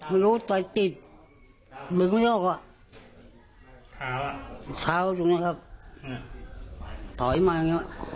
ไม่รู้ต่อยกิ่งบึกไม่ยกอ่ะขาวขาวตรงนี้ครับต่อยมาอย่างเงี้ย